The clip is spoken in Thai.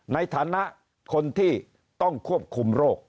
ในฐานะคนที่ต้องควบคุมโรค